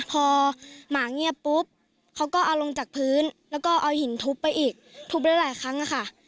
พอหมาเงียบปุ๊บเขาก็เอาลงจากพื้นแล้วก็เอาหินทุบไปอีกทุบได้หลายครั้งค่ะ